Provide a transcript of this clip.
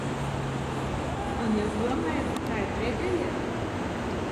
Un jūs domājat, ka tā ir pēdējā?